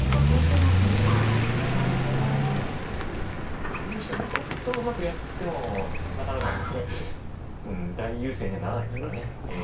やっぱ振り飛車って相当うまくやってもなかなか大優勢にはならないですからね。